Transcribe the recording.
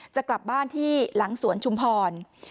จะกลับบ้านที่หลังสวนชุมพร